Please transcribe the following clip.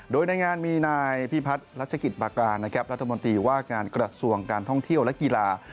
โดยในงานมีนายพิพัฒน์รัชกิจปากานะครับรัฐมนตรีว่าการกระทรวงการท่องเที่ยวและกีฬา